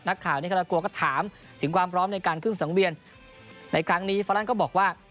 ในครั้งนี้ฟ้าลันก็บอกว่า